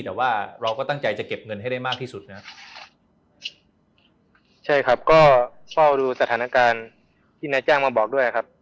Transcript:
แต่ว่าเราก็ตั้งใจจะเก็บเงินให้ได้มากที่สุดนะครับใช่ครับก็เฝ้าดูสถานการณ์ที่นายจ้างมาบอกด้วยครับ